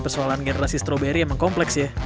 persoalan generasi strawberry emang kompleks ya